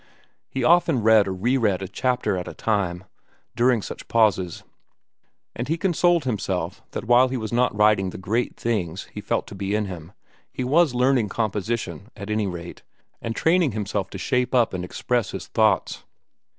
He often read or re read a chapter at a time, during such pauses; and he consoled himself that while he was not writing the great things he felt to be in him, he was learning composition, at any rate, and training himself to shape up and express his thoughts.